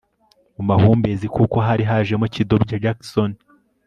mu mahumbezi kuko hari hajemo kidobya Jackson